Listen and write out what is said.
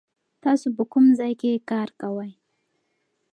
تاسو په کوم ځای کې کار کوئ؟